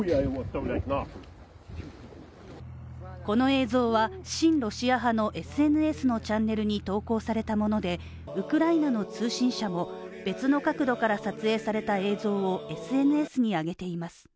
この映像は親ロシア派のＳＮＳのチャンネルに投稿されたものでウクライナの通信社も別の角度から撮影された映像をＳＮＳに上げています。